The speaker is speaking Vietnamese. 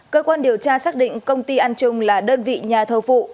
cơ quan điều tra xác định công ty an trung là đơn vị nhà thầu vụ